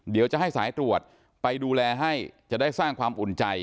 เดี๋ยวจะให้สายตรวจไปดูแลให้จะได้สร้างความอุ่นใจ